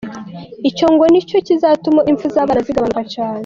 Icyo ngo nicyo kizatuma impfu z’abana zigabanuka cyane.